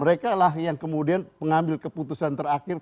mereka lah yang kemudian pengambil keputusan terakhir